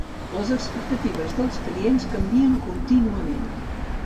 Les expectatives dels clients canvien contínuament.